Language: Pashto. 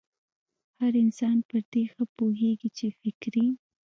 هر انسان پر دې ښه پوهېږي چې فکري